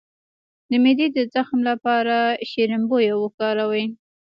د معدې د زخم لپاره شیرین بویه وکاروئ